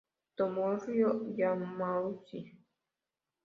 Tomohiro Yamauchi